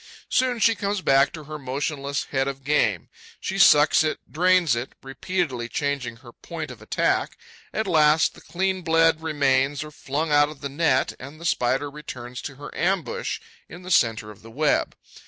Soon she comes back to her motionless head of game: she sucks it, drains it, repeatedly changing her point of attack. At last, the clean bled remains are flung out of the net and the Spider returns to her ambush in the centre of the web.